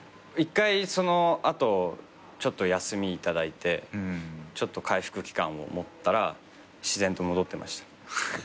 １回その後ちょっと休み頂いてちょっと回復期間を持ったら自然と戻ってました。